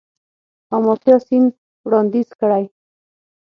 آمارتیا سېن وړانديز کړی.